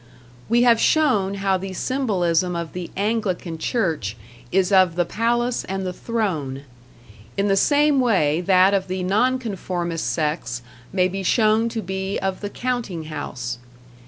We have shown how the symbolism of the Anglican Church is of the palace and the throne; in the same way that of the non conformist sects may be shown to be of the counting house.